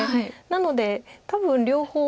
なので多分両方。